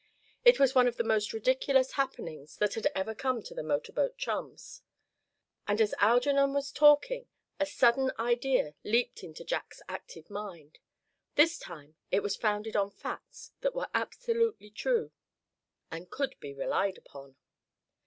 It was one of the most ridiculous happenings that had ever come to the motor boat chums. And as Algernon was talking a sudden idea had leaped into Jack's active mind. This time it was founded on facts that were absolutely true, and could be relied upon.